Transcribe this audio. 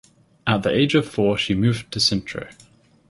At the age of four she moved to Sintra.